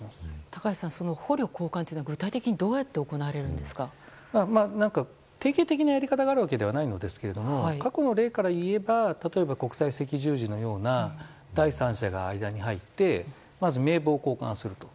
高橋さん、捕虜交換は具体的にどうやって定型的なやり方があるわけではないのですが過去の例から言えば例えば、国際赤十字のような第三者が間に入ってまず名簿を交換すると。